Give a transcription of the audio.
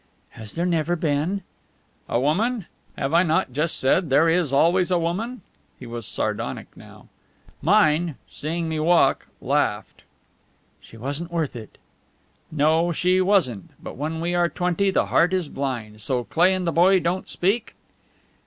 "Has there never been " "A woman? Have I not just said there is always a woman?" He was sardonic now. "Mine, seeing me walk, laughed." "She wasn't worth it!" "No, she wasn't. But when we are twenty the heart is blind. So Cleigh and the boy don't speak?"